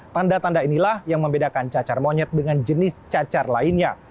tanda tanda inilah yang membedakan cacar monyet dengan jenis cacar lainnya